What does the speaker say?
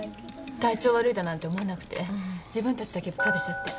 体調悪いだなんて思わなくて自分たちだけ食べちゃって。